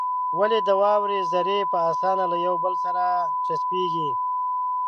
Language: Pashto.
ولې د واورې ذرې په اسانه له يو بل سره چسپېږي؟